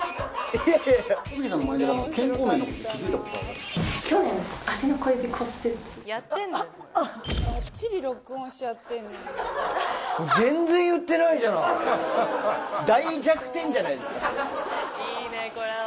いいねこれは。